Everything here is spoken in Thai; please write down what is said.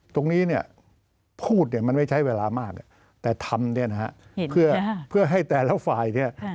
ตรงนี้พูดมันไม่ใช้เวลามากแต่ทำเพื่อให้แต่ละฝ่าย